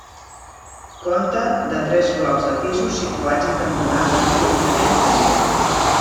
Conta de tres blocs de pisos situats en cantonada i en terreny pendent.